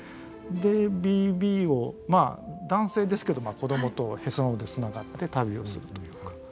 でＢＢをまあ男性ですけど子どもとへその緒で繋がって旅をするというか。